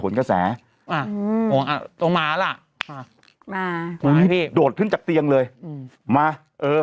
ก็แสอ่าโอ้อ่าตัวมาล่ะมามาให้พี่โดดจากเตียงเลยอืมมาเออ